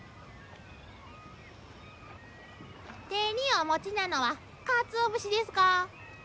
手にお持ちなのはかつお節ですか？